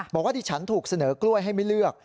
บอกว่าดิฉันถูกเสนอกล้วยให้ไม่เลือก